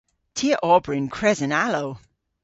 Ty a ober yn kresen-alow.